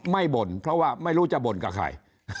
ไม่บ่นเพราะดูจะบ่นกับใคร